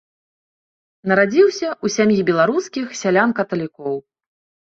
Нарадзіўся ў сям'і беларускіх сялян-каталікоў.